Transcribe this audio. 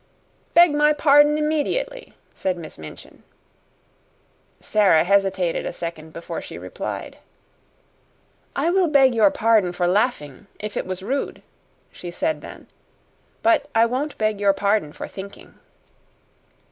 "Beg my pardon immediately," said Miss Minchin. Sara hesitated a second before she replied. "I will beg your pardon for laughing, if it was rude," she said then; "but I won't beg your pardon for thinking."